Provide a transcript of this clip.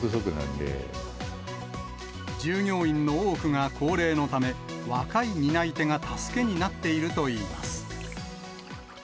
従業員の多くが高齢のため、若い担い手が助けになっているといいます。